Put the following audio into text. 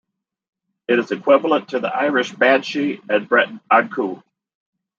It is equivalent to the Irish Banshee and Breton Ankou.